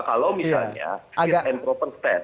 kalau misalnya fit and proper test